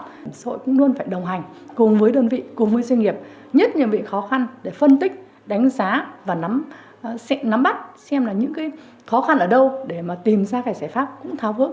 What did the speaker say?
bảo hiểm xã hội cũng luôn phải đồng hành cùng với đơn vị cùng với doanh nghiệp nhất nhiên bị khó khăn để phân tích đánh giá và nắm bắt xem là những khó khăn ở đâu để mà tìm ra cái giải pháp cũng thao vớt